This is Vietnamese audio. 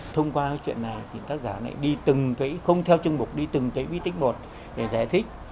thông qua cái chuyện này thì tác giả này đi từng cái không theo chân bục đi từng cái ví tích một để giải thích